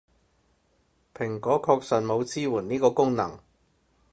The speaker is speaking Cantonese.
蘋果確實冇支援呢個功能